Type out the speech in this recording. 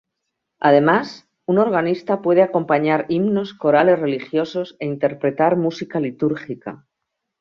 Además, un organista puede acompañar himnos corales religiosos e interpretar música litúrgica.